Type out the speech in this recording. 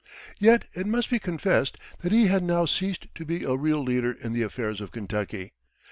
Yet it must be confessed that he had now ceased to be a real leader in the affairs of Kentucky.